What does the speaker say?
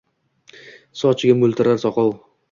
Soqchiga mo’ltirar Soqov